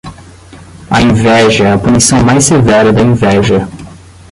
A inveja é a punição mais severa da inveja.